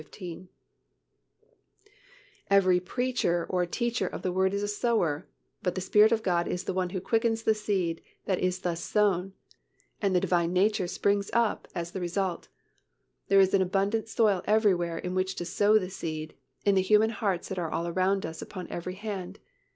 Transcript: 15), every preacher or teacher of the Word is a sower, but the Spirit of God is the One who quickens the seed that is thus sown and the Divine nature springs up as the result. There is abundant soil everywhere in which to sow the seed, in the human hearts that are around about us upon every hand.